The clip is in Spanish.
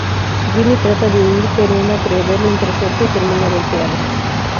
Jimmy trata de huir, pero un acreedor lo intercepta y termina golpeado.